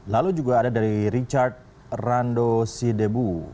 lalu juga ada dari richard rando sidebu